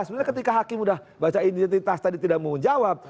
sebenarnya ketika hakim sudah baca identitas tadi tidak mau menjawab